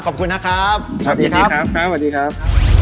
ขอบคุณนะครับสวัสดีครับ